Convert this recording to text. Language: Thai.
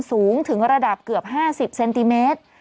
สูงถึงระดับเกือบ๕๐เซนติเมตร